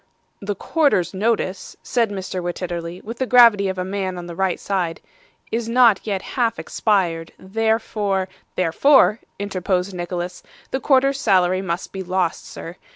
'The quarter's notice,' said Mr. Wititterly, with the gravity of a man on the right side, 'is not yet half expired. Therefore ' 'Therefore,' interposed Nicholas, 'the quarter's salary must be lost, sir.